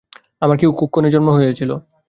আমার কী কুক্ষণেই জন্ম হইয়াছিল।